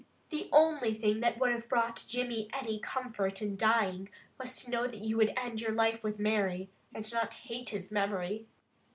The only thing that would have brought Jimmy any comfort in dying, was to know that you would end your life with Mary, and not hate his memory."